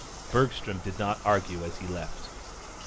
Bergstrom did not argue as he left.